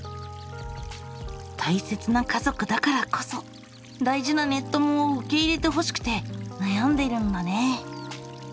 大切な家族だからこそ大事なネッ友を受け入れてほしくて悩んでいるんだね。